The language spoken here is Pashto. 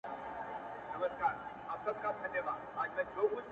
• زموږ اعمال د ځان سرمشق کړه تاریخ ګوره,